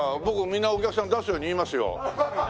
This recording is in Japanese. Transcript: みんなお客さん出すように言いますよ。